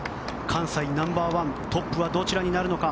関西ナンバー１トップはどちらになるのか。